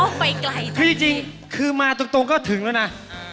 อ้อมไปไกลต่างนี้พี่จริงคือมาตรงก็ถึงแล้วนะ